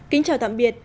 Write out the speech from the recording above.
kính chào tạm biệt